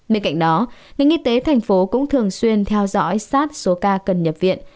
bên cạnh đó ngành y tế thành phố cũng thường xuyên theo dõi sát số ca cần nhập viện